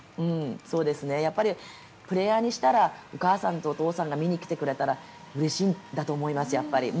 プレーヤーにしたらお母さんとお父さんが見に来てくれたらやっぱりうれしいんだと思います。